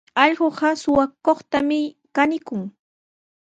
Allquqa suqakuqtami kanikun.